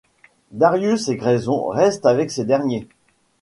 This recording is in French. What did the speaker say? Darius et Grayson restent avec ces derniers.